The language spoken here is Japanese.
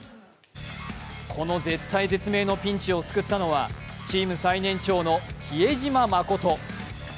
この絶体絶命のピンチを救ったのはチーム最年長の比江島慎。